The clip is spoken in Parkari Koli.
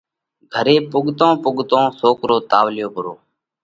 گھري پُوڳتون پُوڳتون سوڪرو تاوَليو پرو،